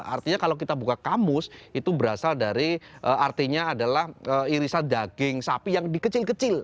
artinya kalau kita buka kamus itu berasal dari artinya adalah irisan daging sapi yang dikecil kecil